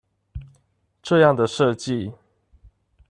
這樣的設計